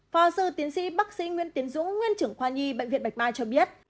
phó sư tiến sĩ bác sĩ nguyễn tiến dũng nguyên trưởng khoa nhi bệnh viện bạch mai cho biết